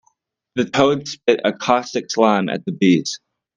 The toad spit a caustic slime at the bees.